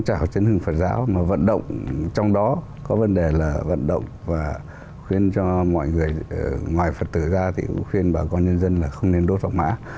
các chấn hương phật giáo mà vận động trong đó có vấn đề là vận động và khuyên cho mọi người ngoài phật tử ra thì cũng khuyên bà con nhân dân là không nên đốt vàng mã